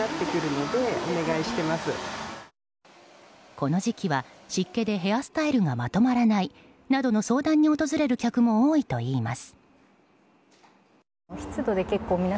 この時期は、湿気でヘアスタイルがまとまらないなどの相談に訪れる客も多いといいます。